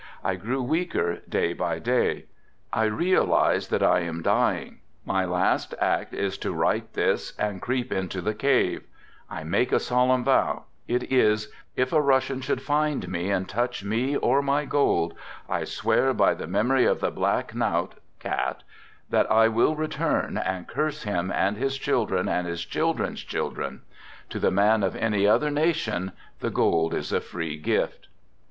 I grew weaker day by day. I realize that I am dying, my last act is to write this and creep into the cave I make a solemn vow, it is: If a Russian should find me and touch me or my gold, I swear by the memory of the black knout (cat), that I will return and curse him and his children and his children's children. To the man of any other nation the gold is a free gift."